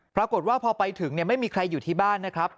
ปรากฏว่าพอไปถึงไม่มีใครอยู่ที่บ้านนะครับ